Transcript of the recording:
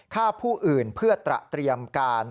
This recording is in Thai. ฆ่าผู้อื่นเพื่อตระเตรียมการ